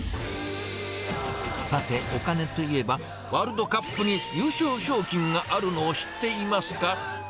さて、お金といえば、ワールドカップに優勝賞金があるのを知っていますか。